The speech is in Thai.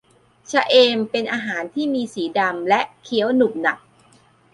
ชะเอมเป็นอาหารที่มีสีดำและเคี้ยวหนุบหนับ